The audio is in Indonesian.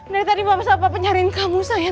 dari tadi mama sahabat penyariin kamu sayang